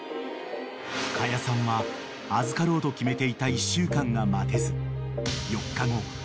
［可夜さんは預かろうと決めていた１週間が待てず４日後もう限界だと］